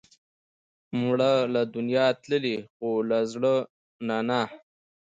مړه له دنیا تللې، خو له زړه نه نه